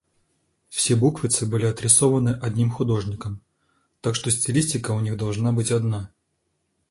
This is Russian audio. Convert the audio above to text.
Все буквицы были отрисованы одним художником, так что стилистика у них должна быть одна.